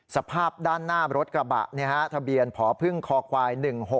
สภาพด้านหน้ารถกระบะเนี่ยฮะทะเบียนผอพึ่งคควาย๑๖๕๑